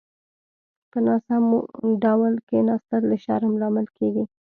په ناسمو ډول کيناستل د شرم لامل کېږي.